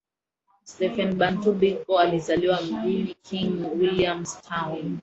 Stephen Bantu Biko alizaliwa mjini King Williams Town